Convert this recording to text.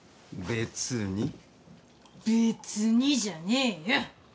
「別に」じゃねえよ。